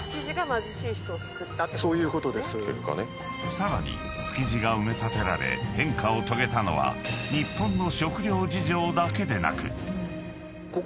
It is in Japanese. ［さらに築地が埋め立てられ変化を遂げたのは日本の］